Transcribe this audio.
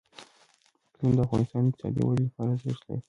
اقلیم د افغانستان د اقتصادي ودې لپاره ارزښت لري.